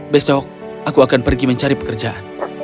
besok aku akan pergi mencari pekerjaan